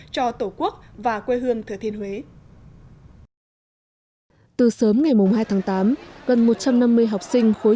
cho tổ quốc và quê hương thừa thiên huế từ sớm ngày hai tháng tám gần một trăm năm mươi học sinh khối